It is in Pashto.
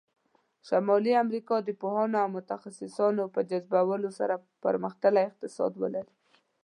شمالي امریکا د پوهانو او متخصصانو په جذبولو سره پرمختللی اقتصاد ولری.